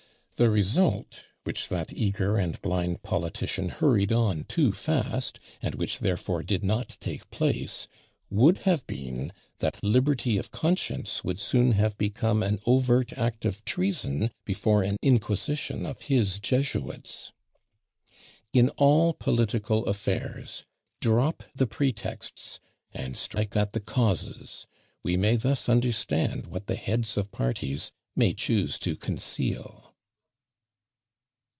The result, which that eager and blind politician hurried on too fast, and which therefore did not take place, would have been that "liberty of conscience" would soon have become an "overt act of treason" before an inquisition of his Jesuits! In all political affairs drop the pretexts and strike at the causes; we may thus understand what the heads of parties may choose to conceal.